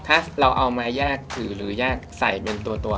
ถ้าเราเอามาแยกถือหรือแยกใส่เป็นตัว